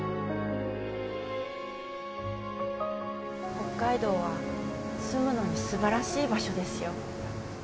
北海道は住むのに素晴らしい場所ですよ。